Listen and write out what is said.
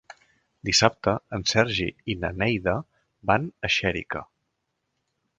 Dissabte en Sergi i na Neida van a Xèrica.